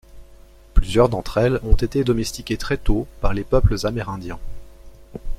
Plusieurs d'entre elles ont été domestiquées très tôt par les peuples amérindiens.